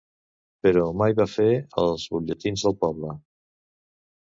Però mai fer els butlletins del poble.